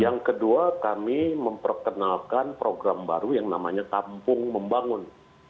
yang kedua kami memperkenalkan program baru yang namanya kampung membangun